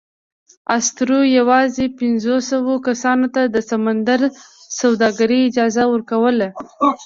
اسطورې یواځې پینځوسوو کسانو ته د سمندري سوداګرۍ اجازه ورکوله.